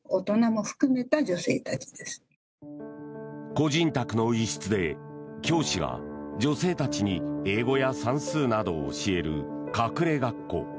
個人宅の一室で教師が女性たちに英語や算数などを教える隠れ学校。